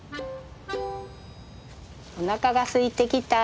おなかがすいてきた。